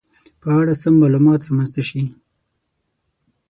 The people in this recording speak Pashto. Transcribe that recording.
په اړه سم معلومات رامنځته شي